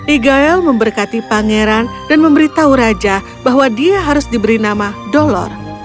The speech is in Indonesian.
egael memberkati pangeran dan memberitahu raja bahwa dia harus diberi nama dolor